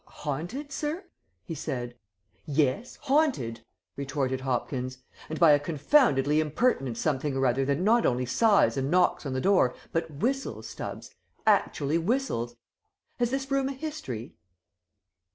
"Haunted, sir?" he said. "Yes, haunted!" retorted Hopkins; "and by a confoundedly impertinent something or other that not only sighs and knocks on the door but whistles, Stubbs actually whistles. Has this room a history?"